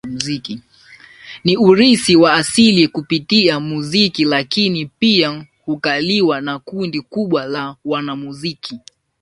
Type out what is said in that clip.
Ni urithi wa asili kupitia muziki lakini pia hukaliwa na kundi kubwa la wanamuziki